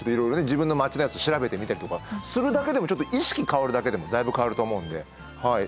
自分の町のやつ調べてみたりとかするだけでもちょっと意識変わるだけでもだいぶ変わると思うんではい。